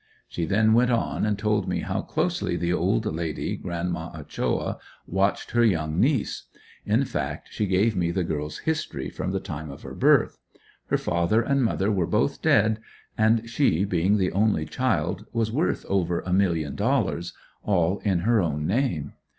She then went on and told me how closely the old lady "Grandma Ochoa" watched her young niece. In fact, she gave me the girl's history from the time of her birth: Her father and mother were both dead and she, being the only child, was worth over a million dollars, all in her own name.